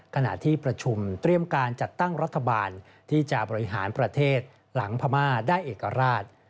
ขณะที่ประชุมเตรียมการจัดตั้งรัฐบาลที่จะบริหารประเทศหลังพม่าได้เอกราช